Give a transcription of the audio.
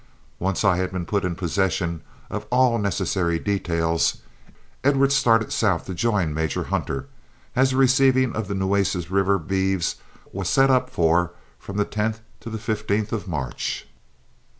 Once I had been put in possession of all necessary details, Edwards started south to join Major Hunter, as the receiving of the Nueces River beeves was set for from the 10th to the 15th of March.